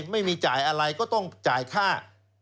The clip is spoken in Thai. ไม่มีจ่ายอะไรก็ต้องจ่ายค่า